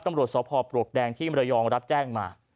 ตำรวจสพปลวกแดงที่มรยองรับแจ้งมา